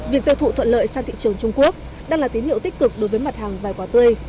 việc tiêu thụ thuận lợi sang thị trường trung quốc đang là tín hiệu tích cực đối với mặt hàng vẻ quả tươi